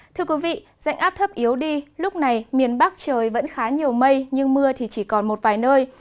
thưa quý vị dạnh áp thấp yếu đi lúc này miền bắc trời vẫn khá nhiều mây nhưng mưa thì chỉ còn một vài nơi